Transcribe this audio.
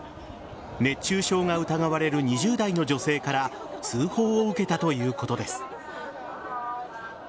熱中症が疑われる２０代の女性から通報を受けたということです。